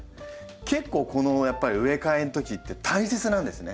結構この植え替えのときって大切なんですね。